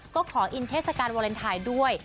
ก็ขออินเทศกาลวาเลนไทยด้วย